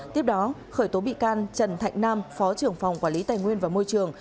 tiếp đó khởi tố bị can trần thạnh nam phó trưởng phòng quản lý tài nguyên và môi trường